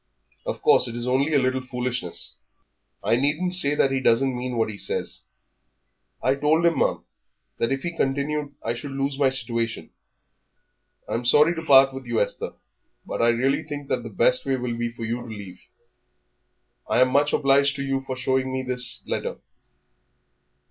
"Of course it is only a little foolishness. I needn't say that he doesn't mean what he says." "I told him, ma'am, that if he continued I should lose my situation." "I'm sorry to part with you, Esther, but I really think that the best way will be for you to leave. I am much obliged to you for showing me this letter.